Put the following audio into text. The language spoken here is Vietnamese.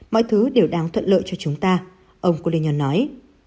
mọi thứ đều đáng thuận lợi cho chúng ta ông kolyan nói